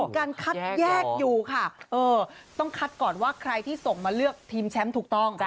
การคัดแยกอยู่ค่ะต้องคัดก่อนว่าใครที่ส่งมาเลือกทีมแชมป์ถูกต้อง